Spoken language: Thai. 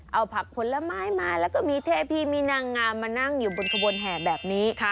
เอาผักผลไม้มาแล้วก็มีเทพีมีนางงามมานั่งอยู่บนขบวนแห่แบบนี้